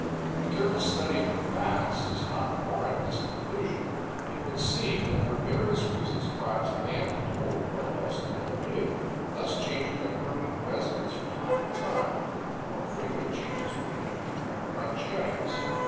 But a careful study of the facts does not warrant this conclusion. It would seem that for various reasons tribes abandoned old pueblos and built new, thus changing their permanent residence from time to time; but more frequent changes were made in their rancherias.